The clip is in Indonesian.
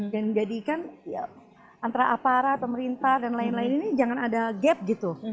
dan jadikan antara aparat pemerintah dan lain lain ini jangan ada gap gitu